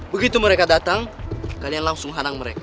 begitu mereka datang kalian langsung hanang mereka